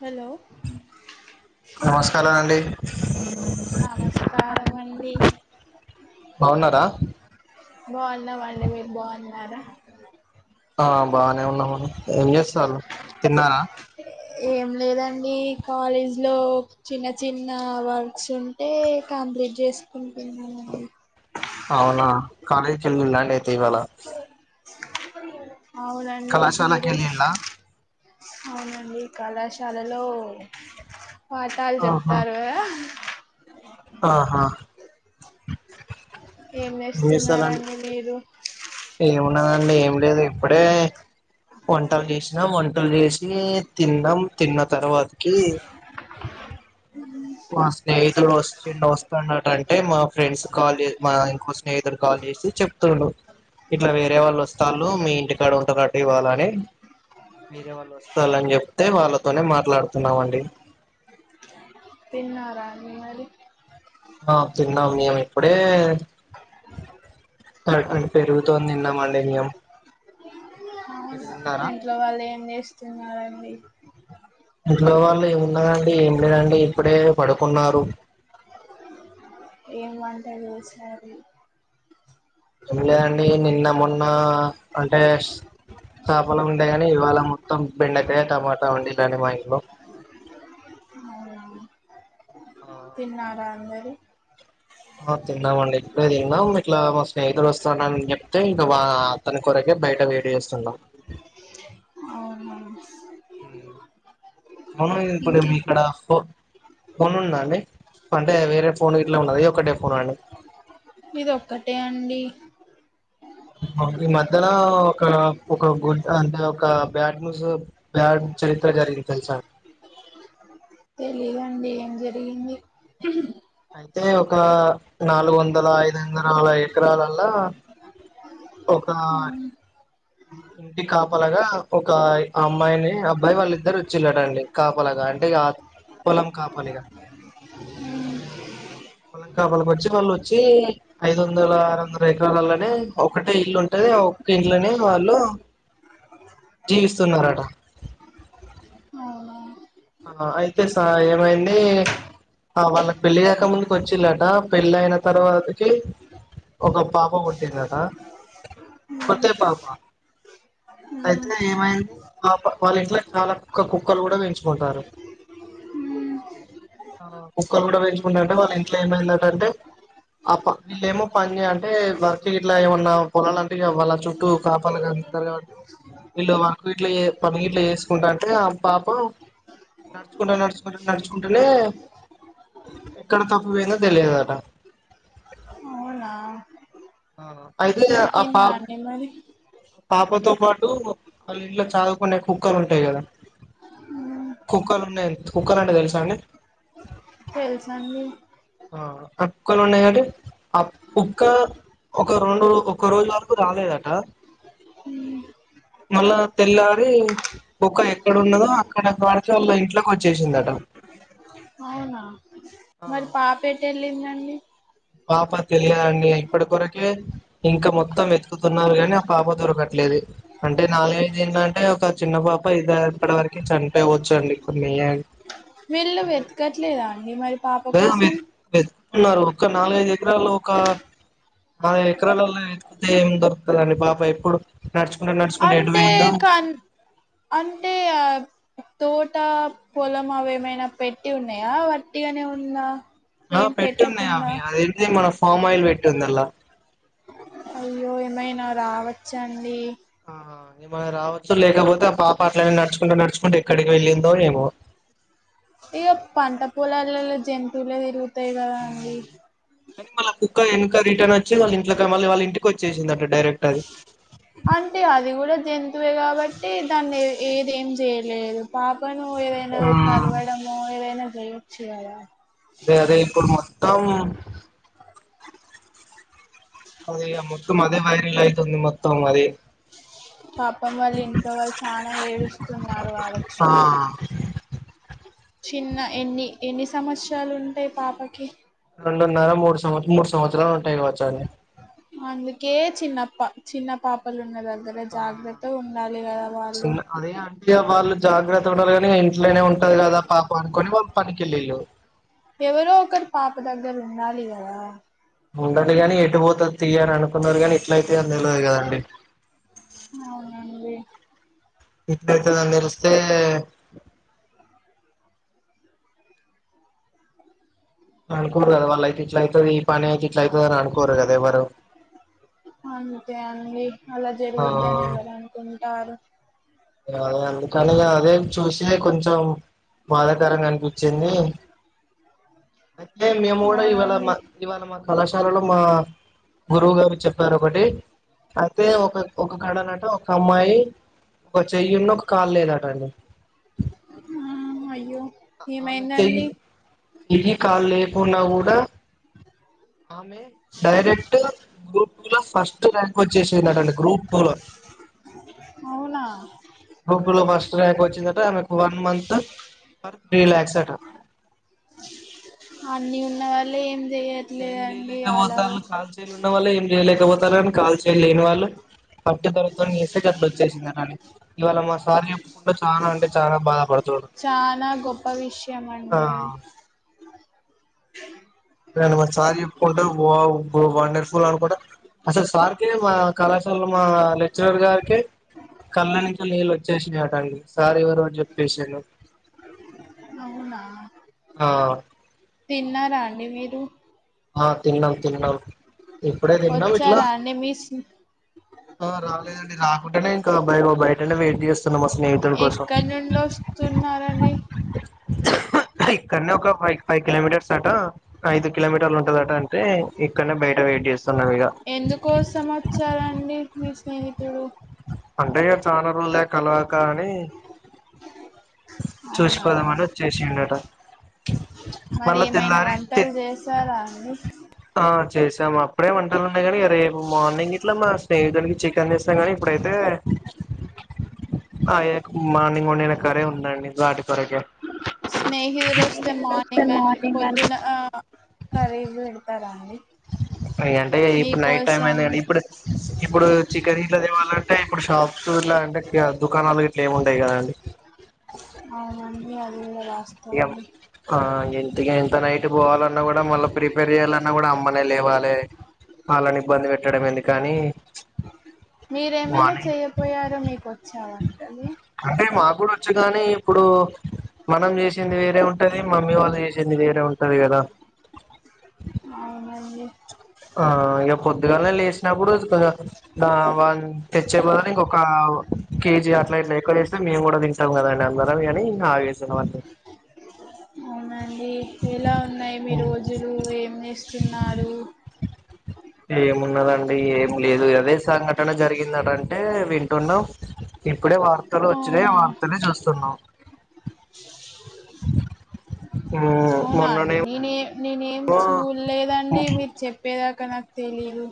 Hello నమస్కారం అండి నమస్కారం అండి బాగున్నారా బాగున్నామండి మీరు బాగున్నార అ ఆ బాగానే ఉన్నాము ఏం చేస్తున్నారు తిన్నారా ఏం లేదండి కాలేజ్ లో చిన్న చిన్న వర్క్స్ ఉన్ టే కంప్లీట్ చేసుకుంటున్నానండి అవునా కాలేజీ కి ఎల్లుండ లేతే ఇవాళ అవునండి కళాశాలకి మీరు వెళ్ళిలా అవునండి కళాశాలలో పాఠాలు ఆహా చెప్తారు కదా ఆహా ఏం చేస్తున్నారండి మీరు ఏమున్నదండి ఏం లేదు ఇప్పుడే వంటలు చేసినాం వంటలు చేసి తిన్నాం తిన్న తర్వాత కి మా స్నేహితుడు వస్తు వస్తున్నట అంటే మా ఫ్రెండ్స్ కాల్ చే మా ఇంకో స్నేహితుడు కాల్ చేసి చెప్ తుండు ఇట్ల వేరే వాళ్ళు వస్తాళ్ళు మీ ఇంటికాడ ఉంటారండి ఇవ్వాల అని వేరే వాళ్ళ వస్తారని చెప్తే వాళ్ళతోనే మాట్లాడుతున్నామండి తిన్నారా అండి మరి ఆ తిన్నాం మేము ఇప్పుడే పెరుగుతో తిన్నామండి మేము మీరు తిన్నారా ఇట్లో వాళ్ళు ఏం చేేస్తున్నారండి ఇంట్లో వాళ్ళు ఏమున్నదండి ఏం లేదండి ఇప్పుడే పడుకున్నారు ఏం వంట చేశారు ఏం లేదండి నిన్న మొన్న అంటే చపలు ఉండే కానీ ఇవాళ మొత్తం బెండకాయ టమాటా వండేలాని మా ఇంట్లో అవునా ఆ తిన్నారా అందరు తిన్నామండి ఇప్పుడే తిన్నాం ఇట్లా మా స్నేహితుడు వస్తానని చెప్తే ఇంకా బా అతని కొరకే బయట వెయిట్ చేస్తున్నాం అవునా అవును ఇది ఇప్పుడు ఇంకి మీక్కడ ఫోన్ ఫోన్ ఉందా అండి అంటే వేరే ఫోన్ ఇట్లా ఉన్నది ఒకటే ఫోనా అండి ఇది ఒక్కటే అండి ఈ మధ్యన ఒక ఒక గుడ్ అంటే ఒక బ్యాడ్ న్యూస్ బ్యాడ్ చరిత్ర జరిగింది తెలుసా తెలిదండి ఏం జరిగింది అయితే ఒక నాలుగు వందల ఐదు వందల ఎకరాలల్లా ఉ [inaudible] ఇ కాపలాగా ఒక అమ్మాయిని అబ్బాయి వాళ్ళిద్దరు వచ్చిళ్ళడండి కాపలాగా అంటే పోలం కాపలీగా ఉ పొలం కాపలీగా వాళ్ళ వచ్చి నోళ్ళు వచ్చి ఐదు వందల ఆరు వందల ఎకరాలలోనే ఒకటే ఇల్లు ఉంటది ఆ ఒక్క ఇళ్ళనే వాళ్ళు జీవిస్తున్నారట అవునా ఆ అయితే సా ఏమైంది ఆ వాళ్ళకి పెళ్ళి కాక ముందుకి వచ్చిలాట పెళ్ళ అయిన తర్వాతకి ఒక పాప పుట్టిందట ఒకటే పాప అ అయితే ఏమైంది పాప వాళ్ళ ఇంట్లో చాలా కుక్క కుక్కలు కూడా పెంచు కుంటారు మ్మ్ ఆ కుక్కలు కూడా పెంచుకుంటారంటే వాళ్ళ ఇంట్లో ఏం అయిందంట అంటే ఆ వీళ్ళ ఏమో పని అంటే వర్కి ఇట్లా ఏమన్నా పొలాలంటవి గా వాళ్ళ చూ చుట్టు కాపాల కి ఉంటారు కాబట్టి వీళ్ళు వర్క్ వీట్లో పన్నగీట్లు చేేసుకుంటా ఉంటే ఆ పాప నడుచుకుంటా నడుచుకుంటా నడుచుకుంటేనే ఎక్కడ తప్పు పోయిందో తెలియదట అవునా అయితే ఇగ ఆ దొరికిందా పాప అండి మరి పాపతో పాటు వాళ్ళ ఇంట్లో ఛాదు కునే కుక్కలు ఉంటాయి కదా మ్మ్ కుక్కలు ఉన్నాయి కుక్కలు అంటే తెలుసా అండి తెలుసండి ఆ కుక్కలు ఉన్నాయి కదండీ ఆ కుక్క ఒక రొండూ ఒక్కొక్క రోజు వర్కు రాలేదట మ్మ్ మళ్ళా తెల్లారీ ఒక్క ఎక్కడున్నదో అక్కడ వాడికి వాళ్ళ ఇంట్లోకి వచ్చేసిందట ఔనా ఆ మరి పాపెటెళ్ళిందండి పాప తెలియదండి ఇప్పడి కొరకే ఇంక మొత్తం వెతుకుతున్నారు గానీ ఆ పాప దొరకట్లేదు అంటే నాలుగైదు ఏళ్ళంటే ఒక చిన్న పాప ఇద ఇప్పడివరకే చనిపోవచ్చు అండి ఇప్పుడ్ మిల్యాన్ వీళ్ళు వెతకట్లేదా అండి మరి పాప కోసం వెతుకున్నారు కాన్ నాలుగైదు ఎకరాలు ఒకా ఆ ఎకరాలల్లో ఎతుకుతే ఏం దొరుకుతదండి పాప ఎప్పుడు నడుచుకుంట నడుచుకుంట ఎటు అంటే బోయిందో కన్ అంటే ఆబ్ తోటా పొలం అవేమైన పెట్టి ఉన్నయా వట్టిగనే ఉందా ఆ ఏం పెట్టున్నాయ్ పెట్టకుండా అవీ అదేంది మన ఫామ్ ఆయిల్ పెట్టుందల్లా అయ్యో ఏమైనా రావచ్చండీ ఉమ్ ఏమన్న రావచ్చు లేకపోతే ఆ పాప అట్లనే నడుచుకుంట నడుచుకుంట ఎక్కడికి వెళ్ళిందో ఏమో ఇయ్యో పంట పొలాల్లో జంతువులే దిరుగుతాయ్ గదా అండి క కుక్క ఎక రిర్న్ వచ్చి వాళ్ళ ఇంట్కి మళ్ళ వాళ్ళ ఇంటికిచ్చసిందట డైరెక్ట్ అది అంటే అది గుడ జంతువే గాబట్టీ దాన్నే ఏదేం జేయలేదు పాపనూ ఏదైనా ఆ కరవడమో ఏదైనా చేయొచ్చు కదా అదే అదే ఇప్పుడ్ మొత్తం అదే ఇగ మొత్తం అదే వైరిల్ అయితుంది మొత్తం మరీ పాపం వాళ్లింట్లో వాళ్ చానా ఏడుస్తున్నార్ గావొచ్చు ఆ చిన్న ఎన్ని ఎన్ని సంవత్సరాలు ఉంటయ్ పాపకి రొండున్నర మూడు సంవత్ మూడు సంవత్సరాలుంటాయ్ గావచ్చండి అందుకే చిన్నప్ప చిన్న పాప్ ప లున్న దగ్గర ఆ జాగ్రత్త గుండాలి గద వాళ్ళు చిన్న అదే అంటే వాళ్ళు జాగ్రత్తగుండాల్ గానీ ఇంట్లోనే ఉంటది గదా పాప అనుకోనీ వాళ్ళు పనికెళ్ళిళ్ళు ఎవరో ఒకర్ పాప దగ్గర్ ఉండాలి గదా ఉండలి గానీ ఎటు బోతద్ తీయర్ అనుకున్నరు గానీ ఇట్లతయ్ తెల్వదు గదండీ ఔనండి ఇట్లైతదన్ దెలుస్తే అ అనుకోర్ గదా వాళ్ళ అయితే ఇట్ల ఐతది ఈ పని ఐతెట్ ఇట్లైతదిరా అని అనుకోర్ గదా ఎవ్వరూ అంతే అండీ అలా ఆ జరుగుద్దని ఎవర్ అనుకుంటారు అదే అందుకనిగా అదే చూసీ కొంచం బాధాకరంగా అనిపించింది ఐతే మేము గుడ ఇవాళ అవునండి మా ఇవాళ మా కళాశాలలో మా గురువు గారు చెప్ ప్పార్ ఒకటీ అయితే ఒక ఒక కడనట ఒక అమ్మాయి ఒక చెయ్యున్ను ఒక కాల్ లేదట అండి ఆ అయ్యో ఆమె చెయ్ ఏమైందండి చెయ్యి కాల్లేకున్నా గూడా ఆమె డైరెక్టు గ్రూపు లో ఫస్ట్ ర్యాంక్ వచ్చేసిం డీ గ్రూప్పు లో ఔనా గ్రూపులో ఫస్టు ర్యాంక్ వచ్చిందట ఆమెకు one month per three lakhs అట అన్నీ ఉన్న వాళ్ళ ఏం ఏం చెయట్లేదండి అలా చేయలేకపోతారు కాల్ ఉన్న వాళ్ళ ఏం లేయలేకపోతునరు కాల్ చెయ్యి లేని వాళ్ళు పట్టే దారుతో చేస్తే అట్లా వచ్చేసిందందీ ఇవాళ మా సారు చెప్పుకుంటూ చాలా అంటే చాలా బాధపడుతుడు చాలా గొప్ప విషయం అండి నేను మ సార్ చెప్పుకుంటా వండర్ఫుల్ అనుకుంటే అసలు సార్ కే మా కళాశాల మా లెక్చరర్ గారికే కళ్ళ నుంచి నీళ్ళు వచ్చేసాయంట సార్ ఎవరో చెప్పేసినారు అవునా ఆ తిన్నారా అండి మీరు ఆ తిన్నాం తిన్నాం ఇప్పుడే తిన్నాం ఇట్లా వచ్చారా అండి మీ స్నే ఆ రాలేదండి రాకుండానే ఇంకా బ బయటనే వెయిట్ చేస్తా ఇంకా మా స్నేహితుడి కోసం ఎక్కడి నుండి వస్తున్నారండి ఇక్కడనే ఒక ఫైవ్ ఫైవ్ కిలోమీటర్స్ ఆట ఐదు కిలోమీటర్ ఉంటందట అంటే ఇక్కడనే బయట వెయిట్ చేస్తున్నావు ఇగా ఎందుకోసం వచ్చారండి మీ స్నేహితుడు అంటే చాలా రోజులై కలవక అని అవునా చూసిపోదామని ఆచ్చేసిందంట మరి ఏమైనా వంటలు చేస్తారా అసలు ఆ చేశాము అప్పుడే వంటలు ఉన్నాయి కానీ రేపు మార్నింగ్ ఇట్లా మా స్నేహితునికి చికెన్ తీస్తాం కాని ఇప్పుడైతే ఆ మార్నింగ్ వడిన కోరే ఉండండి వాటి కొరకే స్నేహితులు వస్తే మార్నింగ్ అని మార్నింగ్ పొద్దున కర్రీ పెడతారా అండి అ అంటే ఇప్పుడు నైట్ టైమ్ అయిందడీ ఇప్పుడు ఇప్పుడు చికెన్ గిట్లాతేవ్వాలంటే ఇప్పుడు షాప్స్ ఇట్లా అంటే దుకాణాలు ఎట్లా ఏమీ ఉండదు కదా అండి అవునండి అది కూడా ఇక వాస్తవమే ఆ ఇంత ఇంత నైట్ పోవాలన్నా కూడా మళ్ళీ ప్రిపేర్ చెయ్యాలన్నా కూడా అమ్మనే లేవాలే వాళ్ళని ఇబ్బంది పెట్టడం ఎందుకు అని మీరేమైనా చేయపోయారో మీకు వచ్చా వంటలు అంటే మా కూడా వచ్చు గానీ ఇప్పుడు మనం చేసింది వేరే ఉంటది మమ్మీ వాళ్ళు చేసింది వేరే ఉంటది కదా అవునండి ఆ ఇగా పొద్దుగాలే లేసినప్పుడు వాళ్లు తెచ్చేదాంట్లో ఇంకొక కేజీ అట్లా ఇట్లా ఎక్కువ చేస్తే మేము కూడా వస్తాం కాదా అని అందు కోసమే ఆగేసి అండి ఎలా ఉన్నాయి మీ ఉమ్. రోజులు ఏం చేస్తున్నారు ఏమున్నదండి ఏం లేదు ఏదే సంఘటన జరిగిందటంటే వింటున్నాం ఇప్పుడే వార్తలు వచ్చినాయి ఆ అవునా వార్తలే చూస్తున్నాం ఉమ్, అవునా అండి నేనే నేనేం మొన్ననేమో చూలేదండి మీరు చెప్పేదాకా నాకు తెలీదు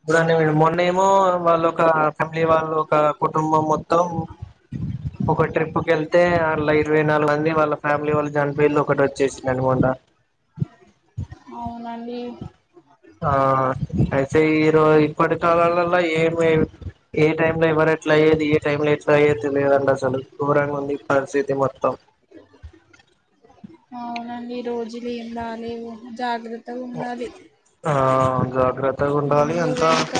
ఇప్పుడు మొన్న ఏమో వాళ్ళొ ఒక ఫ్యామిలీ వాళ్ళ ఒక కుటుంబం మొత్తం ఉ హు ఒక ట్రిప్ కి వెళ్తే అల్లా ఇరవై నాలుగు మంది వాళ్ళ ఫ్యామిలీ వాళ్ళ చనిపోతే ఒకటి వచ్చేసింది అండి మొన్న అవునండి ఆ అయితే ఈరోజ ఇప్పటి కాలాలలో ఏమి ఏ టైమ్ లో ఎవరే ఎట్లా అయ్యేది ఏ టైం లో ఎట్లా అయ్యేది తెలిదండి అసలు గోరంగా ఉంది పరిస్థితి మొత్తం అవునండి రోజులు ఏం బాగాలేవు జాగ్రత్త ఆ జాగ్రత్తగా ఉండాలి ముందు అంతా వెనుక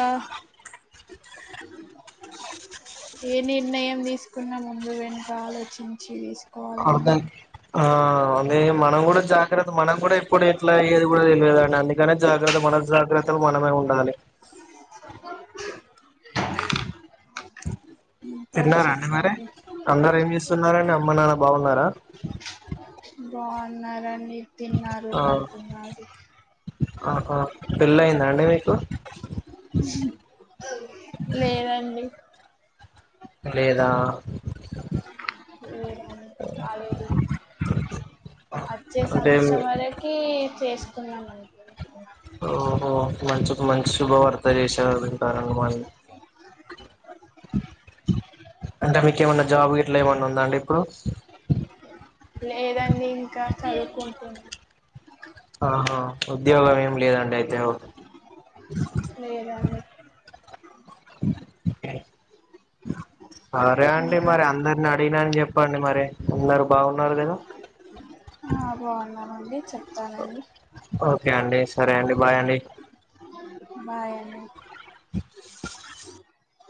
ఏ నిర్ణయం తీసుకున్నా ముందు వెనుక ఆలోచించి తీసు ఆ గానీ ఆ అదే మనం కూడా జాగ్రత్త మనం కూడా ఇప్పుడు ఇట్లా ఏది కూడా తెలియదుండి అందుక నే జాగ్రత్త మన జాగ్రత్తలు మనమే ఉండాలి ఇంకా తిన్నారా అండి మరి చెప్పండి అందరు ఏం చేస్తున్నారండి అమ్మ నాన్న బాగున్నారా బాగున్నారండి తిన్నారు ఆ పడుకున్నారు ఆహా పెళ్ళ అయిందా అండి మీకు లేదండి లేదా లేదు కాలేదు వచ్చే అంటే సంవత్సరం వర కి చేస్తున్నామండి ఓహో మంచికు మంచి శుభవార్త చేసినారు అంత మరి అంటే మీకు ఏమన్నా జాబ్ ఇట్లా ఏమైన్నా ఉందా అండి ఇప్పుడు లేదు అండి ఇంకా చదువుకుంటున్నా ఆహా ఉద్యోగం ఏమి లేదండి అయితే ఓకే లేదండి ఏ సరే అండి ఇంకా మరి అందరిని అడిగినని చెప్పండి మరి అందరు బాగున్నారు కదా ఆ బాగున్నారు అండి చెప్తానండి ఓకే అండి సరే అండి బాయ్ అండి బాయ్ అండి